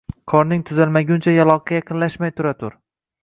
– Qorning tuzalmaguncha, yaloqqa yaqinlashmay tura tur